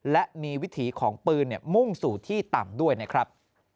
และมีวิถีของปืนมุ่งสู่ที่ต่ำด้วยนะครับ